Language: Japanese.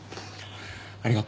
ありがと。